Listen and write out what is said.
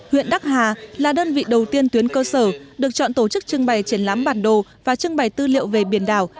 huyện đắc hà là đơn vị đầu tiên tuyến cơ sở được chọn tổ chức trưng bày triển lãm bản đồ và trưng bày tư liệu về biển đảo